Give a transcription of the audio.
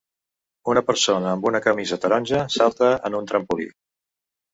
Una persona amb una camisa taronja salta en un trampolí